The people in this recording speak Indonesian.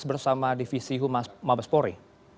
bersama divisi mabespori